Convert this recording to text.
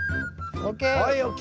ＯＫ。